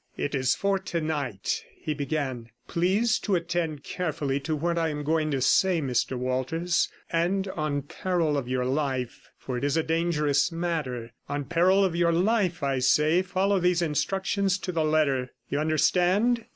'It is for to night,' he began. 'Please to attend carefully to what I am going to say, Mr Walters, and on peril of your life, for it is a dangerous matter, on peril of your life, I say, follow these instructions to the letter. You understand?